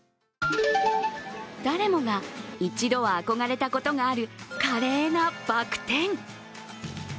誰もが一度は憧れたことがある華麗なバク転。